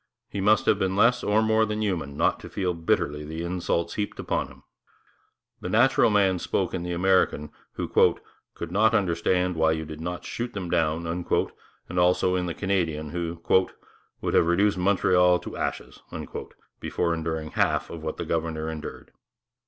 He must have been less or more than human not to feel bitterly the insults heaped upon him. The natural man spoke in the American who 'could not understand why you did not shoot them down'; and also in the Canadian who 'would have reduced Montreal to ashes' before enduring half that the governor endured.